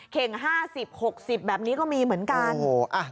เข่ง๕๐๖๐แบบนี้ก็มีเหมือนกัน